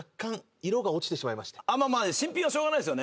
まあまあ新品はしょうがないですよね。